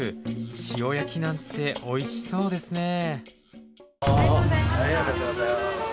塩焼きなんておいしそうですねえ。